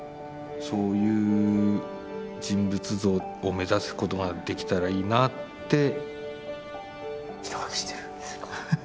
そういう人物像を目指すことができたらいいなって。下書きしてる。